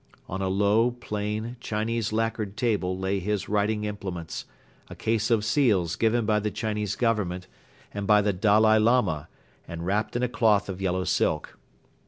On a low, plain, Chinese lacquered table lay his writing implements, a case of seals given by the Chinese Government and by the Dalai Lama and wrapped in a cloth of yellow silk.